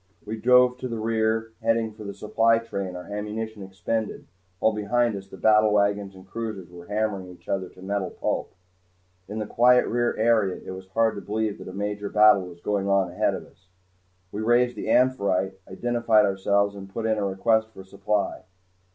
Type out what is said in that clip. We drove to the rear, heading for the supply train, our ammunition expended, while behind us the battlewagons and cruisers were hammering each other to metal pulp. In the quiet of the rear area it was hardly believable that a major battle was going on ahead of us. We raised the "Amphitrite," identified ourselves, and put in a request for supply.